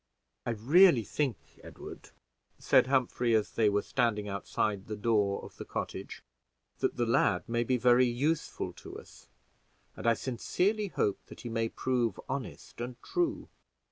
"I really think, Edward," said Humphrey, as they were standing outside of the door of the cottage, "that the lad may be very useful to us, and I sincerely hope that he may prove honest and true.